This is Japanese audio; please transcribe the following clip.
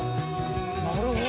なるほど。